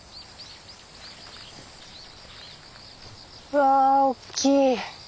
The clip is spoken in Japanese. うわあ大きい。